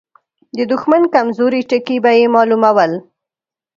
د دښمن کمزوري ټکي به يې مالومول.